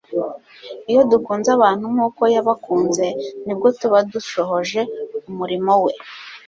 iyo dukunze abantu nk'uko yabakunze, nibwo tuba dushohoje umurimo we.